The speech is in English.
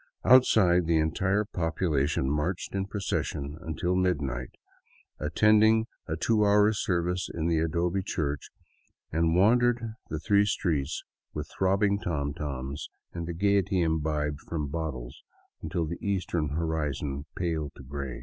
Out side, the entire population marched in procession until midnight, at tended a two hour service in the adobe church, and wandered the three streets with throbbing tomtoms and the gaiety imbibed from bot tles until the eastern horizon paled to gray.